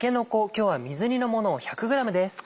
今日は水煮のものを１００ｇです。